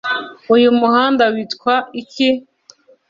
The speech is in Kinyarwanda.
Uyu muhanda witwa iki